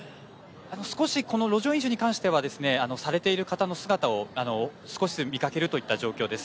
少し、路上飲酒に関してはされている方の姿を少し見かけるといった状況です。